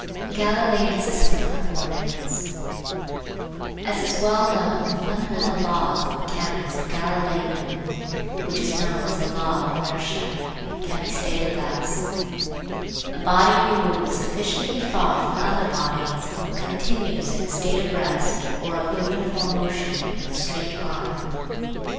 THE GALILEIAN SYSTEM OF CO ORDINATES As is well known, the fundamental law of the mechanics of Galilei Newton, which is known as the law of inertia, can be stated thus: A body removed sufficiently far from other bodies continues in a state of rest or of uniform motion in a straight line.